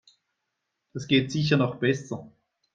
Das geht sicher noch besser.